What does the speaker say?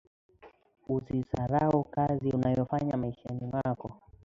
Usi zarau kazi unayo fanya maishani mwako